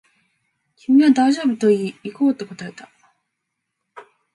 君は大丈夫と言い、行こうと答えた